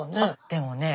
でもね